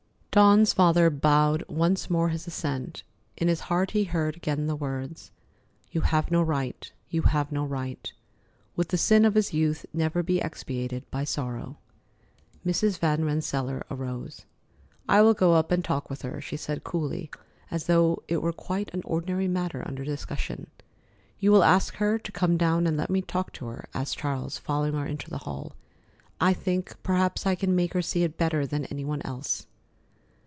Dawn's father bowed once more his assent. In his heart he heard again the words: "You have no right. You have no right!" Would the sin of his youth never be expiated by sorrow? Mrs. Van Rensselaer arose. "I will go up and talk with her," she said coolly, as though it were quite an ordinary matter under discussion. "You will ask her to come down and let me talk to her?" asked Charles, following her into the hall. "I think perhaps I can make her see it better than any one else."